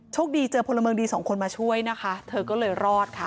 โชคดีเจอพลเมืองดีสองคนมาช่วยนะคะเธอก็เลยรอดค่ะ